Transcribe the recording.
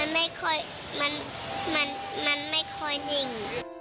มันไม่ค่อยดิ่ง